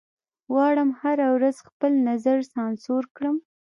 غواړم هره ورځ خپل نظر سانسور کړم